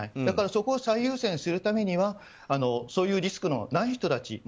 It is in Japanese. だからそこを最優先するためにはそういうリスクのない人たち。